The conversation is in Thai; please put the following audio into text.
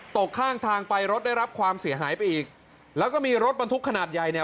ตกข้างทางไปรถได้รับความเสียหายไปอีกแล้วก็มีรถบรรทุกขนาดใหญ่เนี่ย